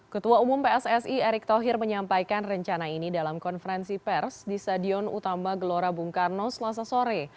ketua umum pssi erick thohir menyampaikan rencana ini dalam konferensi pers di stadion utama gelora bung karno selasa sore